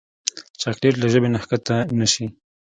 چاکلېټ له ژبې نه کښته نه شي.